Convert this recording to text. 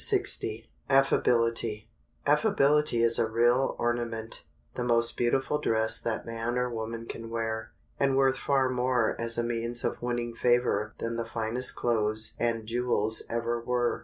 ] Affability is a real ornament, the most beautiful dress that man or woman can wear, and worth far more as a means of winning favor than the finest clothes and jewels ever were.